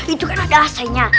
itu kan ada ac nya